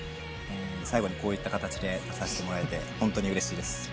最後にこういった形で出させてもらえてホントにうれしいです。